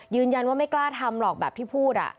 ยืนยันว่าไม่กล้าทำหรอกแบบที่พูด